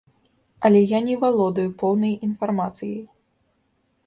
Але я не валодаю поўнай інфармацыяй.